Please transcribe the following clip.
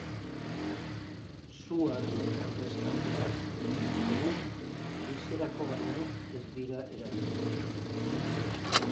Su-armek ordezkatuak, egun ehizarako baino ez dira erabiltzen.